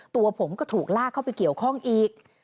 ตัวผมก็ถูกลากเข้าไปเกี่ยวข้องอีก